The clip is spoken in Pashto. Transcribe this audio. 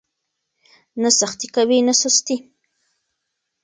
نه سختي کوئ نه سستي.